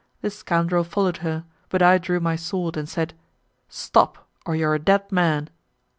The scoundrel followed her, but I drew my sword, and said, "Stop, or you are a dead man."